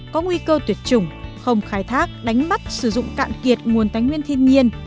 có nguy cơ tuyệt chủng không khai thác đánh bắt sử dụng cạn kiệt nguồn tánh nguyên thiên nhiên